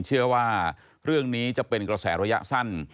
เชื่อว่าเรื่องนี้จะเป็นกระแสระยะสั้น